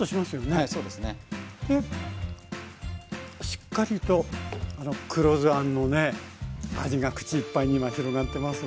しっかりと黒酢あんのね味が口いっぱいに今広がってます。